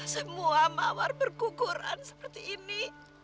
semua mawar berkukuran seperti ini